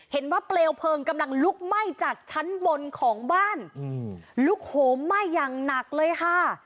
เปลวเพลิงกำลังลุกไหม้จากชั้นบนของบ้านลุกโหมไหม้อย่างหนักเลยค่ะ